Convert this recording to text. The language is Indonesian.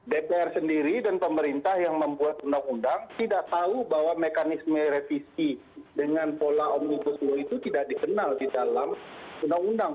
dpr sendiri dan pemerintah yang membuat undang undang tidak tahu bahwa mekanisme revisi dengan pola omnibus law itu tidak dikenal di dalam undang undang